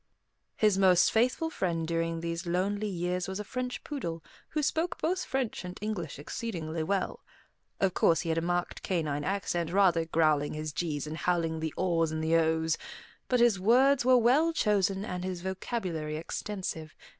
His most faithful friend during these lonely years was a French poodle, who spoke both French and English exceedingly well. Of course, he had a marked canine accent, rather growling his g's and howling the aw's and the ow's, but his words were well chosen and his vocabulary extensive.